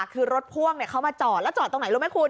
คือรถพ่วงเขามาจอดแล้วจอดตรงไหนรู้ไหมคุณ